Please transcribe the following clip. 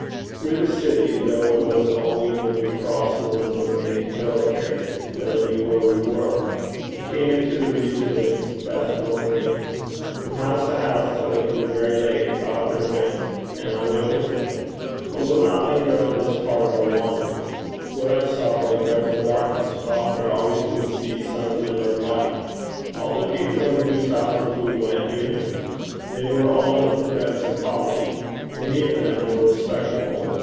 Through the city though it was only when we crossed one of the main thoroughfares that I knew where we were we came into the region of Bethnal Green. From house to house till it grew very late, Falconer went, and I went with him. I will not linger on this part of our wanderings. Where I saw only dreadful darkness, Falconer always would see some glimmer of light. All the people into whose houses we went knew him. They were all in the depths of poverty. Many of them were respectable.